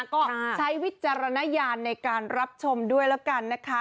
ก็ใช้วิจารณญาณในการรับชมด้วยแล้วกันนะคะ